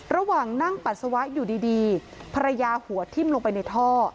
ระหว่างนั่งปัสสาวะอยู่ดีภรรยาหัวทิ้มลงไปในท่อ